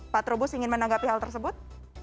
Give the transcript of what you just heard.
pak trubus ingin menanggapi hal tersebut